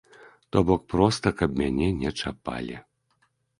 То бок проста каб мяне не чапалі.